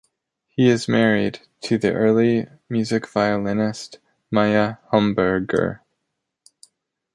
He is married to the early music violinist Maya Homburger.